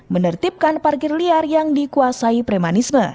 menertibkan parkir liar yang dikuasai premanisme